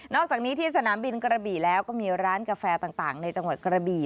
อกจากนี้ที่สนามบินกระบี่แล้วก็มีร้านกาแฟต่างในจังหวัดกระบี่